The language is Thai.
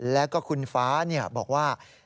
แล้วก็คุณฟ้าบอกว่า